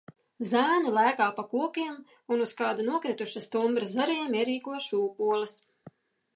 Zēni lēkā pa kokiem un uz kāda nokrituša stumbra zariem ierīko šūpoles.